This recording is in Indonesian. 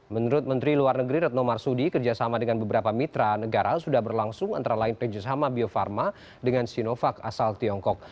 menurut menteri luar negeri retno marsudi kerjasama dengan beberapa mitra negara sudah berlangsung antara lain kerjasama bio farma dengan sinovac asal tiongkok